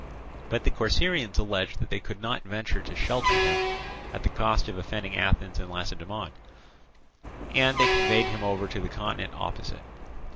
But the Corcyraeans alleged that they could not venture to shelter him at the cost of offending Athens and Lacedaemon, and they conveyed him over to the continent opposite.